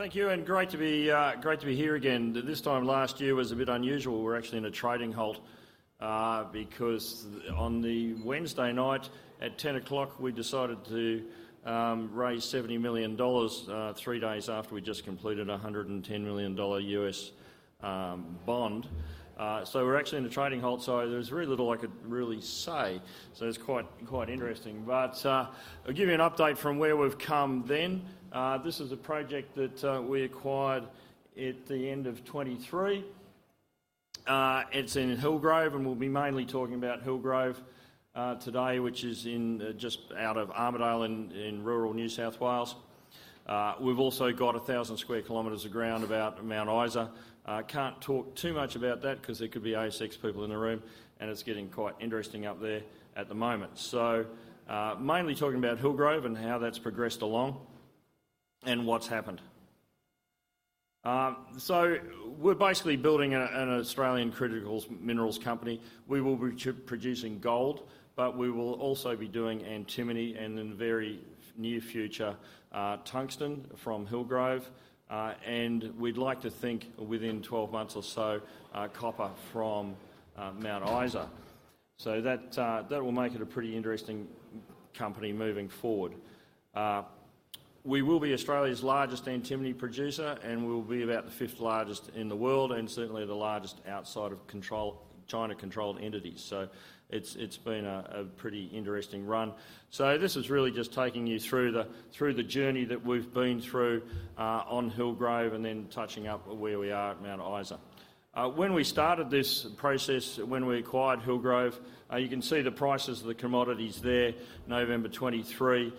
Thank you, and great to be here again. This time last year was a bit unusual. We were actually in a trading halt because on the Wednesday night at 10:00 P.M., we decided to raise $70 million, three days after we just completed a $110 million U.S. bond. We were actually in a trading halt, so there was very little I could really say. It's quite interesting. I'll give you an update from where we've come then. This is a project that we acquired at the end of 2023. It's in Hillgrove, and we'll be mainly talking about Hillgrove today, which is just out of Armidale in rural New South Wales. We've also got 1,000 sq km of ground about Mount Isa. Can't talk too much about that because there could be ASX people in the room, and it's getting quite interesting up there at the moment. Mainly talking about Hillgrove and how that's progressed along and what's happened. We're basically building an Australian critical minerals company. We will be producing gold, but we will also be doing antimony and, in the very near future, tungsten from Hillgrove. We'd like to think within 12 months or so, copper from Mount Isa. That will make it a pretty interesting company moving forward. We will be Australia's largest antimony producer, and we'll be about the fifth largest in the world and certainly the largest outside of China-controlled entities. It's been a pretty interesting run. This is really just taking you through the journey that we've been through on Hillgrove and then touching up where we are at Mount Isa. When we started this process, when we acquired Hillgrove, you can see the prices of the commodities there, November 2023.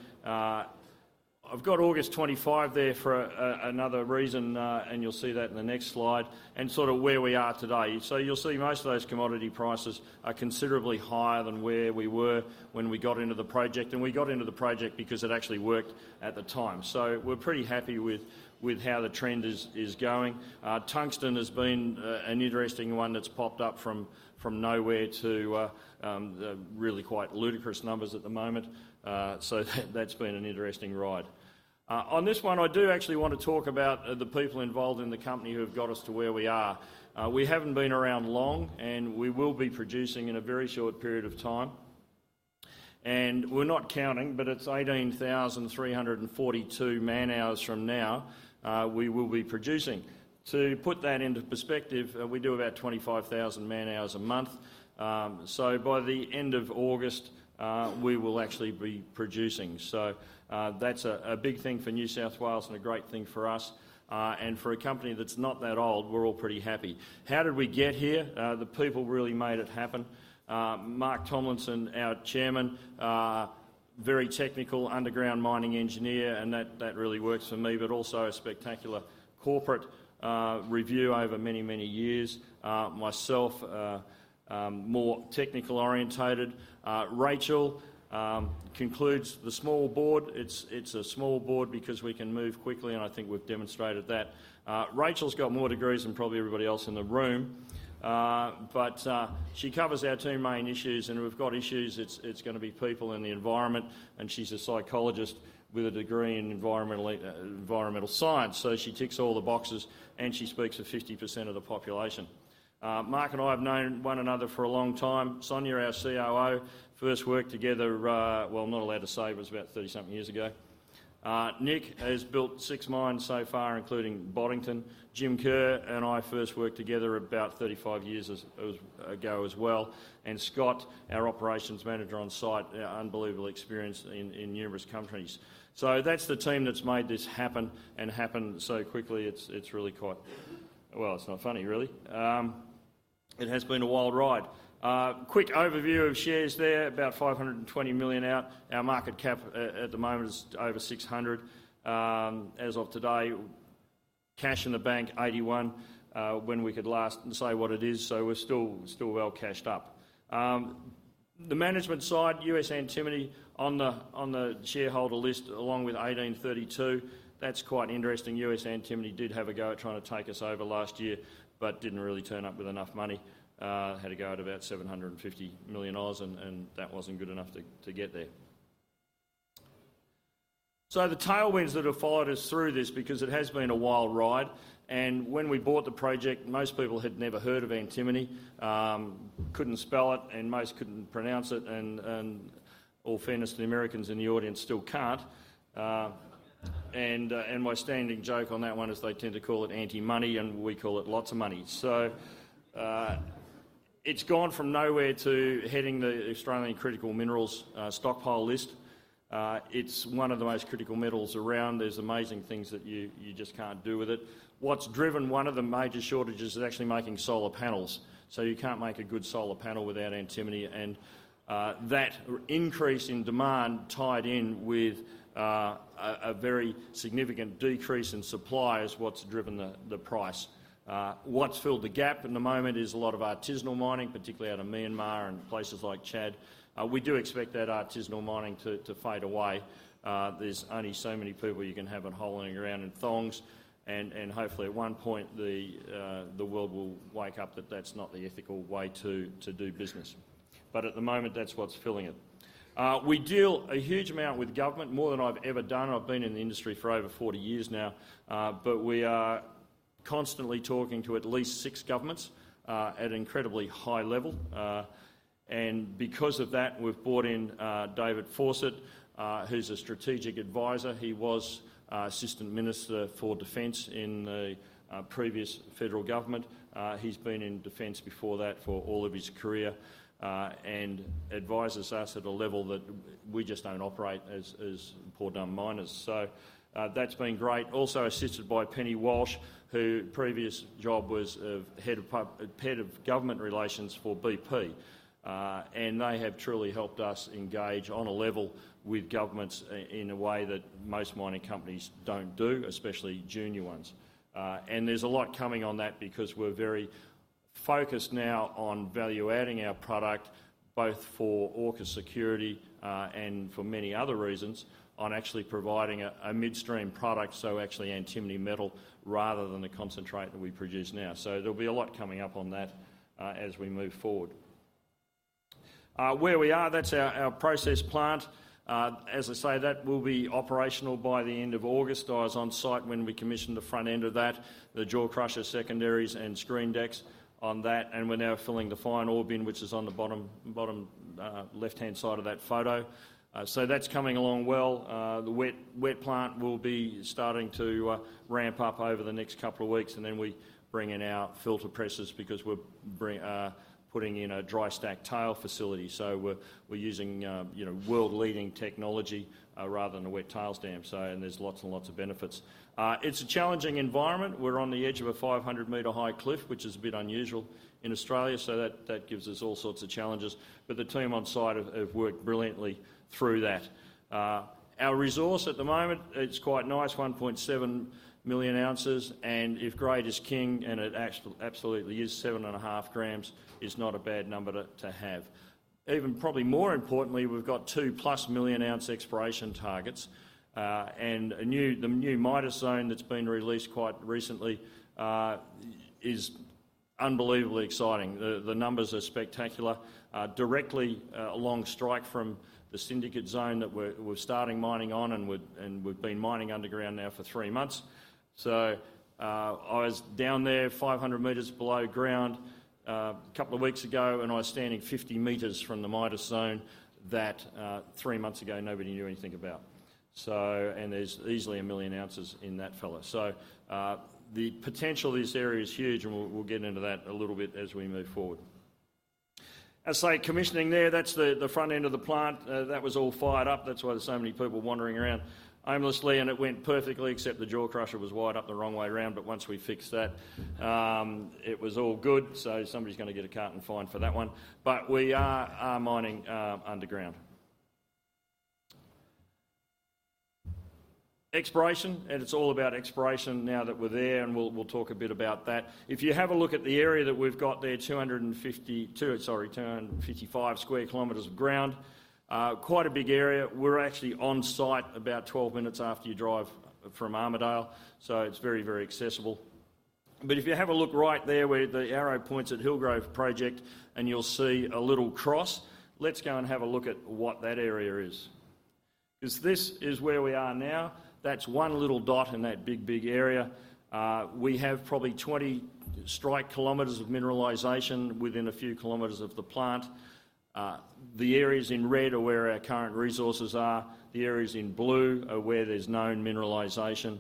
I've got August 2025 there for another reason, and you'll see that in the next slide, and sort of where we are today. You'll see most of those commodity prices are considerably higher than where we were when we got into the project. We got into the project because it actually worked at the time. We're pretty happy with how the trend is going. Tungsten has been an interesting one that's popped up from nowhere to really quite ludicrous numbers at the moment. That's been an interesting ride. On this one, I do actually want to talk about the people involved in the company who have got us to where we are. We haven't been around long, and we will be producing in a very short period of time. We're not counting, but it's 18,342 man-hours from now, we will be producing. To put that into perspective, we do about 25,000 man-hours a month. By the end of August, we will actually be producing. That's a big thing for New South Wales and a great thing for us. For a company that's not that old, we're all pretty happy. How did we get here? The people really made it happen. Mark Tomlinson, our Chairman, very technical underground mining engineer, and that really works for me, but also a spectacular corporate review over many, many years. Myself, more technical-orientated. Rachelle concludes the small board. It's a small board because we can move quickly, and I think we've demonstrated that. Rachelle's got more degrees than probably everybody else in the room. She covers our two main issues, and we've got issues. It's going to be people and the environment, and she's a psychologist with a degree in environmental science. She ticks all the boxes and she speaks for 50% of the population. Mark and I have known one another for a long time. Sonja, our COO, first worked together, well, I'm not allowed to say, but it was about 30-something years ago. Nick has built six mines so far, including Boddington. Jim Kerr and I first worked together about 35 years ago as well. And Scott, our operations manager on site, unbelievable experience in numerous countries. That is the team that has made this happen and happen so quickly. Well, it is not funny, really. It has been a wild ride. Quick overview of shares there, about 520 million out. Our market cap at the moment is over 600 million. As of today, cash in the bank, 81 million, when we could last say what it is. We are still well cashed up. The management side, US Antimony on the shareholder list, along with 1832. That is quite interesting. US Antimony did have a go at trying to take us over last year but did not really turn up with enough money. Had a go at about 750 million dollars, and that was not good enough to get there. The tailwinds that have followed us through this, because it has been a wild ride, and when we bought the project, most people had never heard of antimony. Could not spell it and most could not pronounce it, and all fairness to the Americans in the audience, still cannot. My standing joke on that one is they tend to call it anti-money and we call it lots of money. It has gone from nowhere to heading the Australian Critical Minerals stockpile list. It is one of the most critical metals around. There are amazing things that you just cannot do with it. What has driven one of the major shortages is actually making solar panels. You cannot make a good solar panel without antimony, and that increase in demand tied in with a very significant decrease in supply is what has driven the price. What has filled the gap at the moment is a lot of artisanal mining, particularly out of Myanmar and places like Chad. We do expect that artisanal mining to fade away. There are only so many people you can have holing around in thongs, and hopefully at one point, the world will wake up that that is not the ethical way to do business. But at the moment, that is what is filling it. We deal a huge amount with government, more than I have ever done. I have been in the industry for over 40 years now. We are constantly talking to at least six governments at an incredibly high level. Because of that, we have brought in David Fawcett, who is a strategic advisor. He was Assistant Minister for Defence in the previous federal government. He has been in defense before that for all of his career, and advises us at a level that we just do not operate as poor dumb miners. That has been great. Also assisted by Penny Walsh, whose previous job was head of Government Relations for BP. They have truly helped us engage on a level with governments in a way that most mining companies do not do, especially junior ones. There's a lot coming on that because we're very focused now on value-adding our product, both for AUKUS security, and for many other reasons, on actually providing a midstream product, so actually antimony metal rather than the concentrate that we produce now. There'll be a lot coming up on that as we move forward. Where we are, that's our process plant. As I say, that will be operational by the end of August. I was on site when we commissioned the front end of that, the jaw crusher secondaries and screen decks on that, and we're now filling the fine ore bin, which is on the bottom left-hand side of that photo. That's coming along well. The wet plant will be starting to ramp up over the next couple of weeks. Then we bring in our filter presses because we're putting in a dry stack tailings facility. We're using world-leading technology rather than a wet tails dam. There's lots and lots of benefits. It's a challenging environment. We're on the edge of a 500 m high cliff, which is a bit unusual in Australia. That gives us all sorts of challenges. The team on site have worked brilliantly through that. Our resource at the moment, it's quite nice, 1.7 million ounces, and if grade is king, and it absolutely is, 7.5 g is not a bad number to have. Even probably more importantly, we've got 2+ million ounce exploration targets. The new Midas Zone that's been released quite recently is unbelievably exciting. The numbers are spectacular. Directly along strike from the Syndicate Zone that we're starting mining on and we've been mining underground now for three months. I was down there 500 m below ground a couple of weeks ago, and I was standing 50 m from the Midas Zone that three months ago nobody knew anything about. There's easily 1 million ounces in that fellow. The potential of this area is huge, and we'll get into that a little bit as we move forward. As I say, commissioning there, that's the front end of the plant. That was all fired up. That's why there's so many people wandering around aimlessly, and it went perfectly except the jaw crusher was wired up the wrong way around. Once we fixed that, it was all good. Somebody's going to get a carton fine for that one. We are mining underground. Exploration, it's all about exploration now that we're there, we'll talk a bit about that. If you have a look at the area that we've got there, 255 sq km of ground. Quite a big area. We're actually on site about 12 minutes after you drive from Armidale, it's very accessible. If you have a look right there where the arrow points at Hillgrove project, you'll see a little cross. Let's go and have a look at what that area is. This is where we are now. That's one little dot in that big area. We have probably 20 strike kilometers of mineralization within a few kilometers of the plant. The areas in red are where our current resources are. The areas in blue are where there's known mineralization.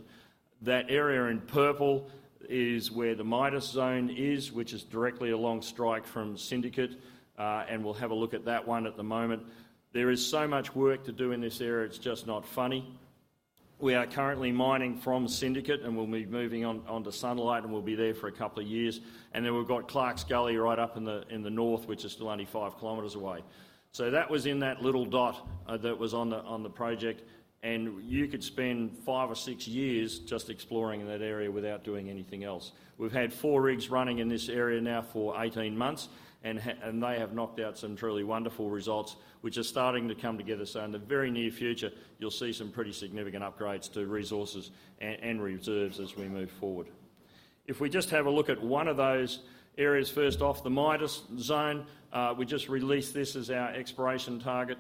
That area in purple is where the Midas Zone is, which is directly along strike from Syndicate. We'll have a look at that one at the moment. There is so much work to do in this area, it's just not funny. We are currently mining from Syndicate, and we'll be moving on to Sunlight, and we'll be there for a couple of years. We've got Clarks Gully right up in the north, which is still only 5 km away. That was in that little dot that was on the project, and you could spend five or six years just exploring in that area without doing anything else. We've had four rigs running in this area now for 18 months, and they have knocked out some truly wonderful results, which are starting to come together. In the very near future, you'll see some pretty significant upgrades to resources and reserves as we move forward. If we just have a look at one of those areas. First off, the Midas Zone. We just released this as our exploration target.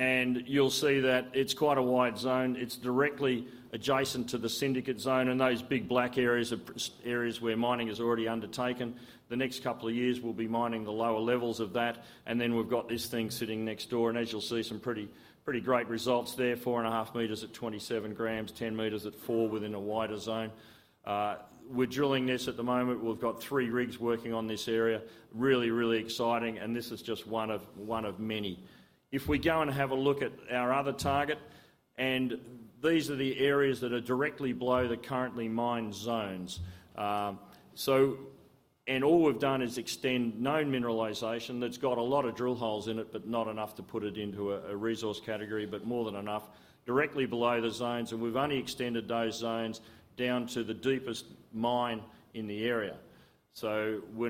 You'll see that it's quite a wide zone. It's directly adjacent to the Syndicate Zone, and those big black areas are areas where mining is already undertaken. The next couple of years, we'll be mining the lower levels of that, and then we've got this thing sitting next door. As you'll see, some pretty great results there, 4.5 m at 27 g, 10 m at 4 g within a wider zone. We're drilling this at the moment. We've got three rigs working on this area. Really exciting, and this is just one of many. If we go and have a look at our other target, these are the areas that are directly below the currently mined zones. All we've done is extend known mineralization that's got a lot of drill holes in it, but not enough to put it into a resource category, but more than enough directly below the zones. We've only extended those zones down to the deepest mine in the area. We're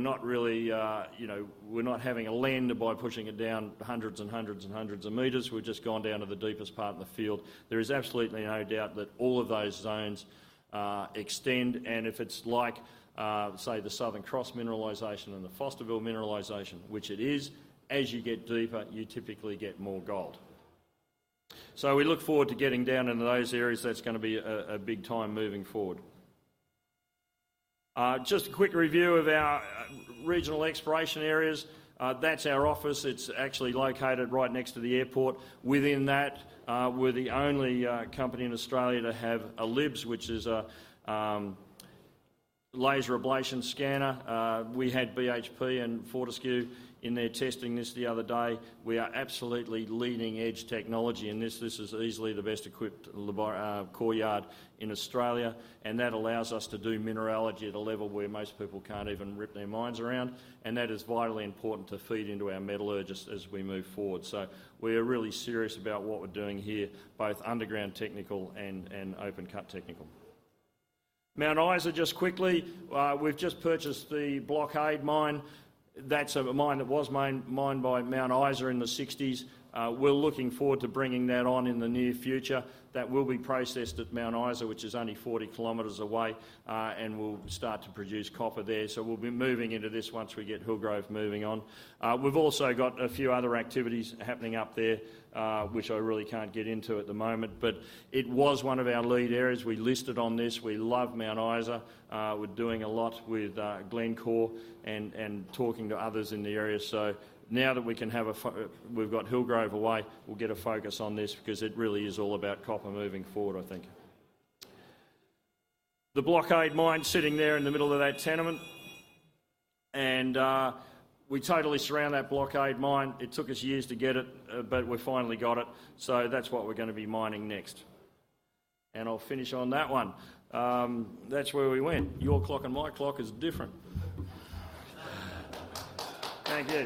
not having a lend by pushing it down hundreds and hundreds of meters. We've just gone down to the deepest part in the field. There is absolutely no doubt that all of those zones extend. If it's like, say, the Southern Cross mineralization and the Fosterville mineralization, which it is, as you get deeper, you typically get more gold. We look forward to getting down into those areas. That's going to be a big time moving forward. Just a quick review of our regional exploration areas. That's our office. It's actually located right next to the airport. Within that, we're the only company in Australia to have a LIBS, which is a laser ablation scanner. We had BHP and Fortescue in there testing this the other day. We are absolutely leading-edge technology in this. This is easily the best-equipped core yard in Australia, and that allows us to do mineralogy at a level where most people can't even wrap their minds around, and that is vitally important to feed into our metallurgist as we move forward. We are really serious about what we're doing here, both underground technical and open cut technical. Mount Isa, just quickly, we've just purchased the Blockade Mine. That's a mine that was mined by Mount Isa in the 1960s. We're looking forward to bringing that on in the near future. That will be processed at Mount Isa, which is only 40 km away, and we'll start to produce copper there. We'll be moving into this once we get Hillgrove moving on. We've also got a few other activities happening up there, which I really can't get into at the moment, but it was one of our lead areas. We listed on this. We love Mount Isa. We're doing a lot with Glencore and talking to others in the area. Now that we've got Hillgrove away, we'll get a focus on this because it really is all about copper moving forward, I think. The Blockade Mine sitting there in the middle of that tenement, and we totally surround that Blockade Mine. It took us years to get it, but we finally got it, so that's what we're going to be mining next. I'll finish on that one. That's where we went. Your clock and my clock is different. Thank you.